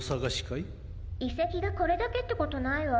いせきがこれだけってことないわ。